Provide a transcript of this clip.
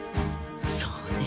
そうね。